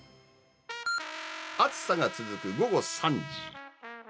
暑さが続く午後３時。